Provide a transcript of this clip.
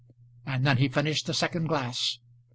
And then he finished the second glass.